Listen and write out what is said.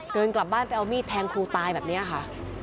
เดินกลับบ้านไปเอามีดแทงครูตายแบบนี้ค่ะ